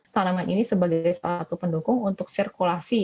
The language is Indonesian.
tanaman ini sebagai satu pendukung untuk sirkulasi